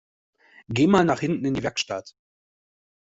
Geh mal nach hinten in die Werkstatt.